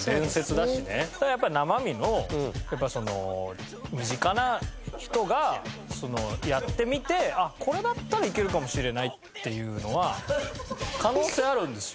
それはやっぱ生身の身近な人がやってみてこれだったらいけるかもしれないっていうのは可能性あるんですよ。